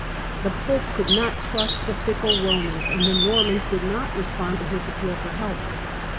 The Pope could not trust the fickle Romans, and the Normans did not respond to his appeal for help.